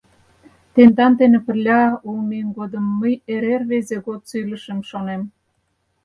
— Тендан дене пырля улмем годым мый эре рвезе годсо илышем шонем.